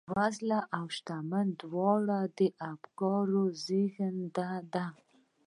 بېوزلي او شتمني دواړې د افکارو زېږنده دي